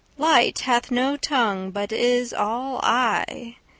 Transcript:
Light hath no tongue, but is all eye.